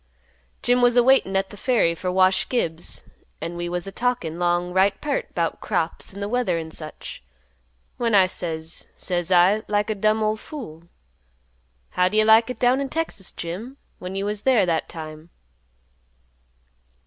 Jim was a waitin' at th' ferry fer Wash Gibbs, an' we was a talkin' 'long right peart 'bout crops an' th' weather an' such, when I says, says I, like a dumb ol' fool, 'How'd you like it down in Texas, Jim, when you was there that time?